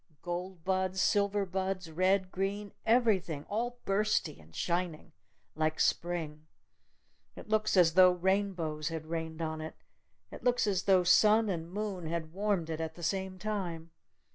Gold buds! Silver buds! Red! Green! Everything! All bursty! And shining! Like Spring! It looks as tho rainbows had rained on it! It looks as tho sun and moon had warmed it at the same time!